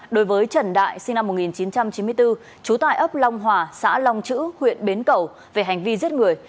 đối với trần đại sinh năm một nghìn chín trăm chín mươi bốn trú tại ấp long hòa xã long chữ huyện bến cầu về hành vi giết người